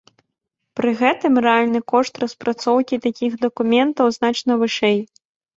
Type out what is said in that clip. Пры гэтым рэальны кошт распрацоўкі такіх дакументаў значна вышэй.